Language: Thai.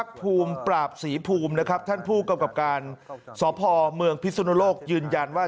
ขอบคุณครับท่านผู้กรรมกรรมการสอบภเมืองพิสุนโลกยืนยันว่า